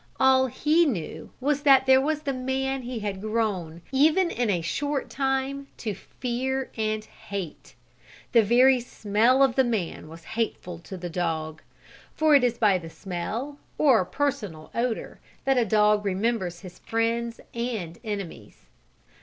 All he knew was that there was the man he had grown, even in a short time, to fear and hate. The very smell of the man was hateful to the dog, for it is by the smell, or personal odor, that a dog remembers his friends and enemies.